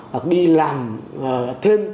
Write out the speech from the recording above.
hoặc đi làm thêm